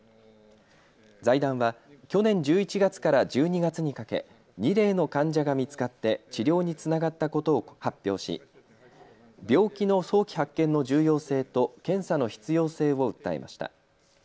財団は去年１１月から１２月にかけ２例の患者が見つかって治療につながったことを発表し病気の早期発見の重要性と検査の必要性を訴えました。